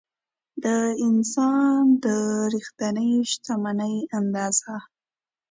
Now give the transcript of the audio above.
د انسان د رښتینې شتمنۍ اندازه.